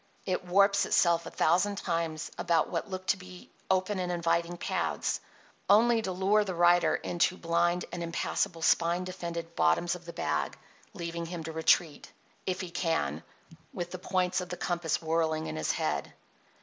It warps itself a thousand times about what look to be open and inviting paths, only to lure the rider into blind and impassable spine defended "bottoms of the bag," leaving him to retreat, if he can, with the points of the compass whirling in his head.